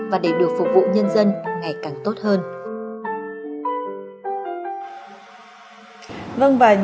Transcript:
và để được phục vụ nhân dân ngày càng tốt hơn